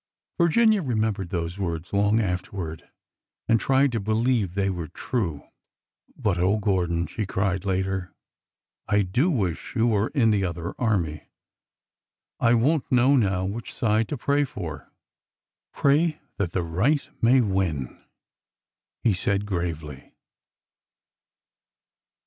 Virginia remembered those words long afterward and tried to believe they were true. But oh, Gordon I " she cried later. I do wish you were in the other army! I won't know now which side to pray for 1 "" Pray that the right may win," he said gravely.